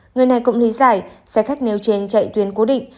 người này cũng lý giải xe khách nêu trên chạy tuyến cố định